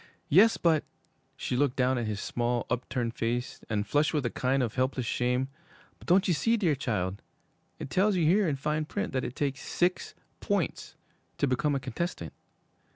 'Yes, but ' She looked down at his small, upturned face, and flushed with a kind of helpless shame, 'but don't you see, dear child it tells you here, in fine print, that it takes six points to become a contestant?'